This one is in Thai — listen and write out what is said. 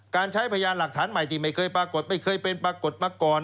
ใช้พยานหลักฐานใหม่ที่ไม่เคยปรากฏไม่เคยเป็นปรากฏมาก่อน